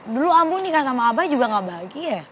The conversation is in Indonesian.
dulu ambu nikah sama abah juga gak bahagia